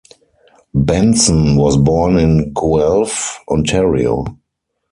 Benson was born in Guelph, Ontario.